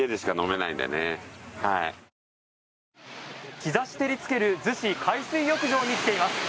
日差し照りつける逗子海水浴場に来ています。